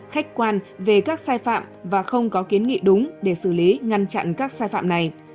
khách quan về các sai phạm và không có kiến nghị đúng để xử lý ngăn chặn các sai phạm này